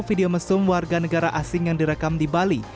video mesum warga negara asing yang direkam di bali